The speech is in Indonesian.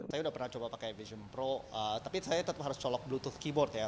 saya udah pernah coba pakai vision pro tapi saya tetap harus colok blue tuh keyboard ya